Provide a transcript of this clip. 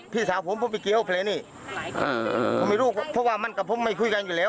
พี่สาวผมผมไปเกียร์เข้าเพลย์นี้อ่าอ่าอ่าผมไม่รู้เพราะว่ามันกับผมไม่คุยกันอยู่แล้ว